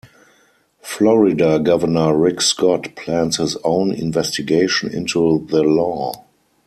Florida governor Rick Scott plans his own investigation into the law.